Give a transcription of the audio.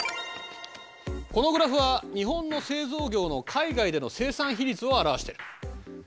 このグラフは日本の製造業の海外での生産比率を表してる。